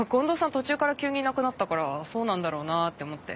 途中から急にいなくなったからそうなんだろうなって思って。